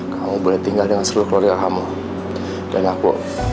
kamu boleh tinggal dengan seluruh keluarga kamu dan aku